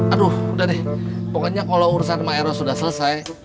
aduh udah deh pokoknya kalau urusan sama eros sudah selesai